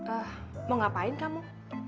ah mau ngapain kamu